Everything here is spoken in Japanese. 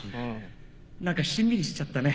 何かしんみりしちゃったね。